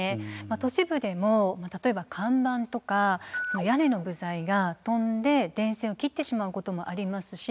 都市部でも例えば看板とか屋根の部材が飛んで電線を切ってしまうこともありますし。